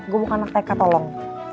gue mau ke anak tk tolong